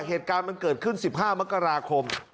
เหตุการณ์มันเกิดขึ้น๑๕มกราคม